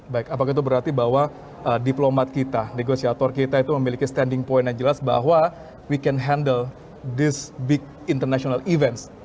baik apakah itu berarti bahwa diplomat kita negosiator kita itu memiliki standing point yang jelas bahwa we can handle this big international events